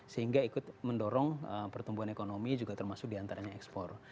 sehingga ikut mendorong pertumbuhan ekonomi juga termasuk diantaranya ekspor